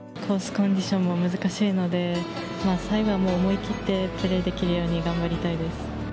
コンディションも難しいので、最後は思い切ってプレーできるように頑張りたいです。